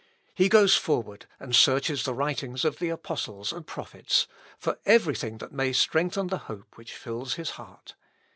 He goes forward and searches the writings of the apostles and prophets, for every thing that may strengthen the hope which fills his heart.